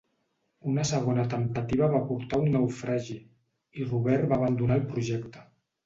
Una segona temptativa va portar a un naufragi, i Robert va abandonar el projecte.